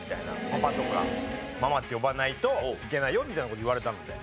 パパとかママって呼ばないといけないよみたいな事言われたので。